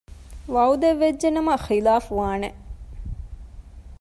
ވަޢުދެއްވެއްޖެނަމަ ޚިލާފުވާނެ